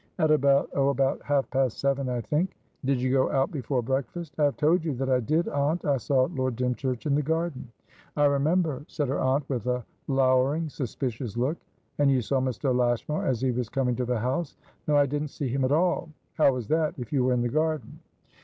"At aboutoh, about half past seven, I think." "Did you go out before breakfast?" "I have told you that I did, aunt. I saw Lord Dymchurch in the garden." "I remember," said her aunt, with a lowering, suspicious look. "And you saw Mr. Lashmar as he was coming to the house?" "No. I didn't see him at all." "How was that? If you were in the garden?"